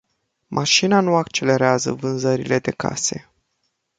Mașina nu accelerează vânzările de case.